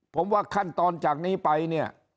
ผมว่าขั้นตอนจากนี้ไป